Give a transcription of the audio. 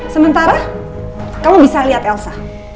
sementara kamu bisa lihat elsa